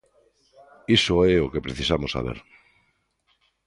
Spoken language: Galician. Iso é o que precisamos saber.